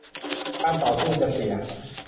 การต่อสู้จะเสีย